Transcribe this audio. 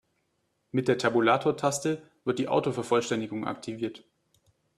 Mit der Tabulatortaste wird die Autovervollständigung aktiviert.